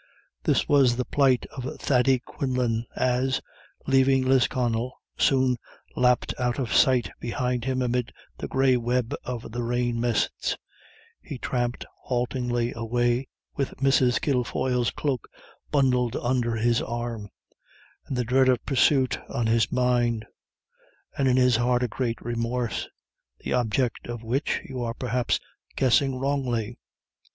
This was the plight of Thady Quinlan as, leaving Lisconnel, soon lapt out of sight behind him amid the grey web of the rain mists, he tramped haltingly away, with Mrs. Kilfoyle's cloak bundled under his arm, and the dread of pursuit on his mind, and in his heart a great remorse, the object of which you are perhaps guessing wrongly.